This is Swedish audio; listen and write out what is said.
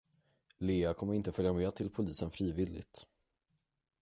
Leah kommer inte följa med till polisen frivilligt.